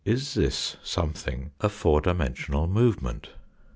Is this something a four dimensional movement?